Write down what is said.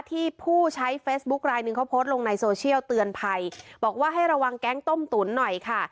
ผู้ใช้เฟซบุ๊คลายหนึ่งเขาโพสต์ลงในโซเชียลเตือนภัยบอกว่าให้ระวังแก๊งต้มตุ๋นหน่อยค่ะ